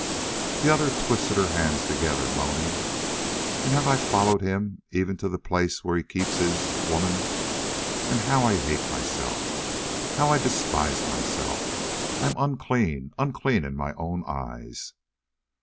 The other twisted her hands together, moaning: "And I have followed him, even to the place where he keeps his woman? Ah, how I hate myself: how I despise myself. I'm unclean unclean in my own eyes!"